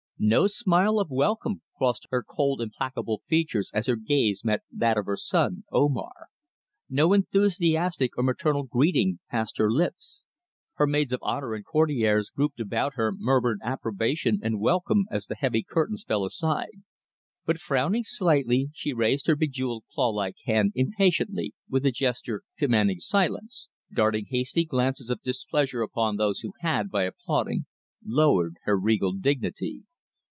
No smile of welcome crossed her cold, implacable features as her gaze met that of her son Omar; no enthusiastic or maternal greeting passed her lips. Her maids of honour and courtiers grouped about her murmured approbation and welcome as the heavy curtains fell aside, but frowning slightly she raised her bejewelled claw like hand impatiently with a gesture commanding silence, darting hasty glances of displeasure upon those who had, by applauding, lowered her regal dignity.